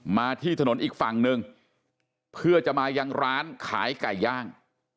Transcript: มาที่ถนนอีกฝั่งหนึ่งเพื่อจะมายังร้านขายไก่ย่าง